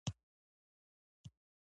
پیلوټ له چاپېریال سره بلد وي.